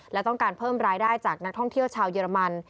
และต้องการเพิ่มรายได้จากนักท่องเที่ยวชาวเยอรมัน